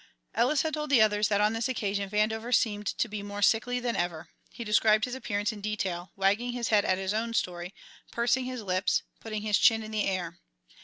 Ellis had told the others that on this occasion Vandover seemed to be more sickly than ever; he described his appearance in detail, wagging his head at his own story, pursing his lips, putting his chin in the air.